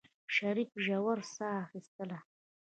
شريف ژوره سا اخېستله.